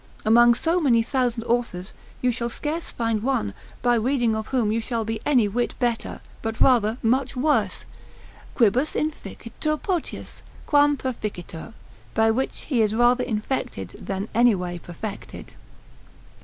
Amongst so many thousand authors you shall scarce find one, by reading of whom you shall be any whit better, but rather much worse, quibus inficitur potius, quam perficitur, by which he is rather infected than any way perfected.